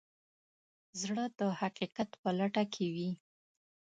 زړه د حقیقت په لټه کې وي.